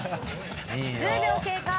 １０秒経過。